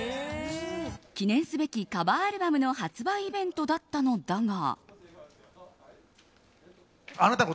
記念すべきカバーアルバムの発売イベントだったのだが。